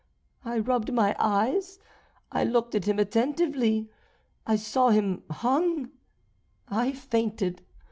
I rubbed my eyes, I looked at him attentively, I saw him hung; I fainted.